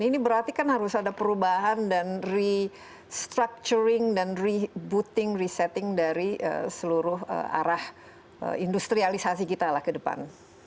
ini berarti kan harus ada perubahan dan restructuring dan rebooting resetting dari seluruh arah industrialisasi kita lah ke depan